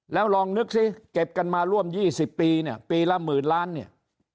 แล้วลองนึกซิเก็บกันมาร่วม๒๐ปีเนี่ยปีละหมื่นล้านเนี่ย